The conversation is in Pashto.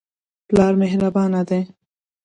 پلار مهربانه دی.